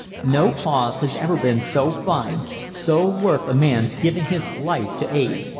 No cause has ever been so fine, so worth a man's giving his life to aid!